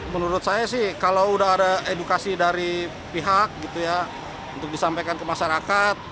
menurut saya sih kalau sudah ada edukasi dari pihak untuk disampaikan ke masyarakat